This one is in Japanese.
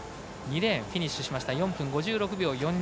２レーンもフィニッシュ４分５６秒４２。